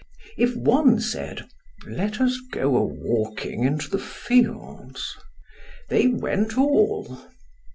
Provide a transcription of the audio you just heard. If one said, Let us go a walking into the fields they went all.